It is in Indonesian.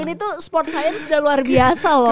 ini tuh sport science udah luar biasa loh